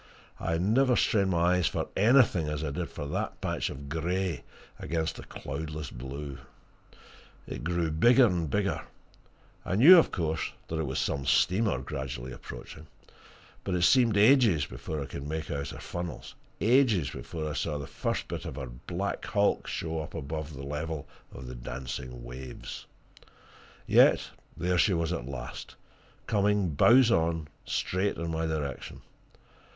I never strained my eyes for anything as I did for that patch of grey against the cloudless blue! It grew bigger and bigger I knew, of course, that it was some steamer, gradually approaching. But it seemed ages before I could make out her funnels; ages before I saw the first bit of her black bulk show up above the level of the dancing waves. Yet there she was at last coming bows on, straight in my direction.